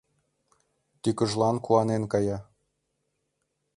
Тӱкыжлан куанен кая.